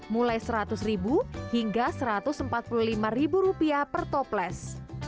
mulai seratus ribu hingga satu ratus empat puluh lima ribu rupiah per toples